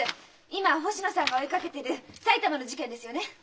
今星野さんが追いかけてる埼玉の事件ですよね？